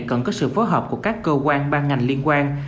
cần có sự phối hợp của các cơ quan ban ngành liên quan